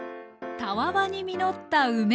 たわわに実った梅。